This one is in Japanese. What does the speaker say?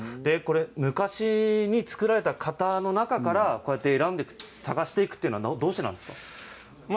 昔に作られた型の中からこうやって選んで探していくというのはどうしてなんですか。